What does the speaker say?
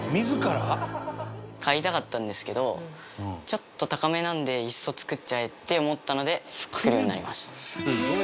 買いたかったんですけどちょっと高めなのでいっそ作っちゃえって思ったので作るようになりました。